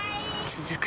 続く